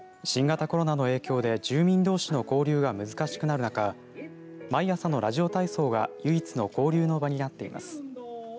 新型コロナの影響で住民どうしの交流が難しくなる中毎朝のラジオ体操が唯一の交流の場になっています。